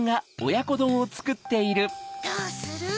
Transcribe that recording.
どうする？